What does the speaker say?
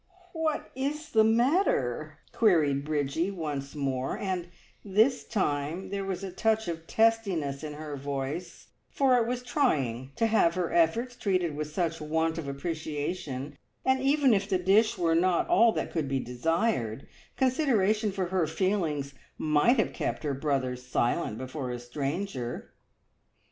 "What is the matter?" queried Bridgie once more, and this time there was a touch of testiness in her voice, for it was trying to have her efforts treated with such want of appreciation, and even if the dish were not all that could be desired, consideration for her feelings might have kept her brothers silent before a stranger.